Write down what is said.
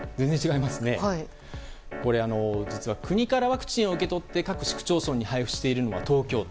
実は国からワクチンを受け取って各市区町村に配布しているのは東京都。